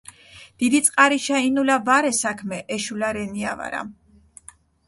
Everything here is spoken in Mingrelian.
დიდი წყარიშა ინულა ვარე საქმე ეშულა რენია ვარა